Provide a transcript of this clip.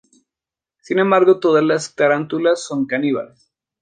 Sin embargo, todas las tarántulas son caníbales.